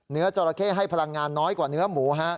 จราเข้ให้พลังงานน้อยกว่าเนื้อหมู